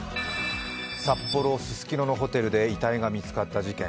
札幌・ススキノのホテルで遺体が見つかった事件。